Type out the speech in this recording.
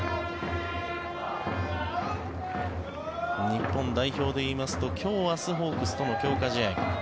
日本代表でいいますと今日、明日ホークスとの強化試合。